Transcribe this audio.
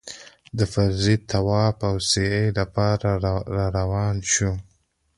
د فرضي طواف او سعيې لپاره راروان شوو.